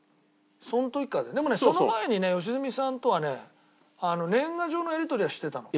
でもねその前にね良純さんとはね年賀状のやりとりはしてたの。